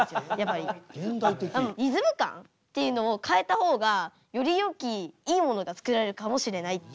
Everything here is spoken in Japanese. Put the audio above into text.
リズム感っていうのを変えた方がよりよきいいものが作られるかもしれないっていう。